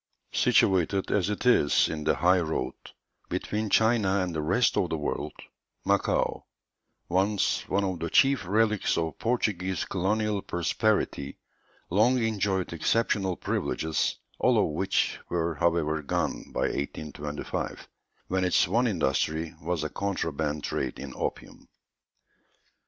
Situated as it is in the high road, between China and the rest of the world, Macao, once one of the chief relics of Portuguese colonial prosperity, long enjoyed exceptional privileges, all of which were, however, gone by 1825, when its one industry was a contraband trade in opium.